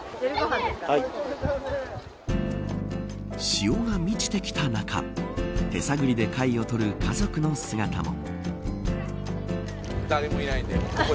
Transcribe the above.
潮が満ちてきた中手探りで貝をとる家族の姿も。